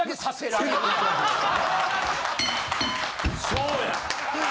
そうや。